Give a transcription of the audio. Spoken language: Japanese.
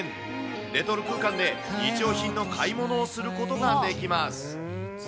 レトロ空間で日用品の買い物をすることができます。